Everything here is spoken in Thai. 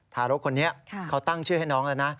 ทารกคนนี้เขาตั้งชื่อให้น้องแล้วนะ